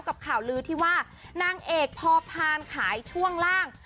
กับข่าวลือที่ว่านางเอกพอพานขายช่วงล่าง